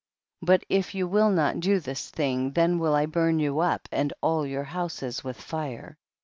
26. But if you will not do this thing, then will I burn you up and all your houses with fire.